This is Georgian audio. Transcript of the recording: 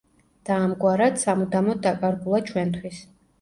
და ამგვარად, სამუდამოდ დაკარგულა ჩვენთვის.